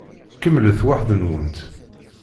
Kemmlet weḥd-wen.